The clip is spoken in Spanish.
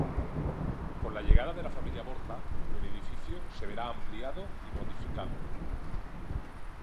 Con la llegada de la familia Borja, el edificio se verá ampliado y modificado.